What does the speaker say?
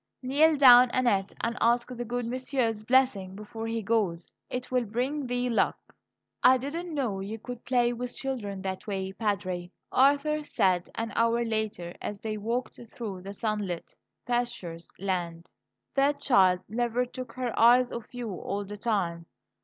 Kneel down, Annette, and ask the good monsieur's blessing before he goes; it will bring thee luck." "I didn't know you could play with children that way, Padre," Arthur said an hour later, as they walked through the sunlit pasture land. "That child never took her eyes off you all the time.